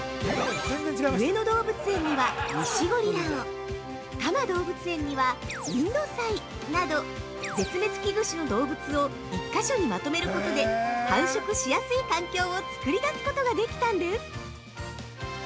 ◆上野動物園にはニシゴリラを多摩動物園にはインドサイなど絶滅危惧種の動物を１か所にまとめることで繁殖しやすい環境を作り出すことができたんです。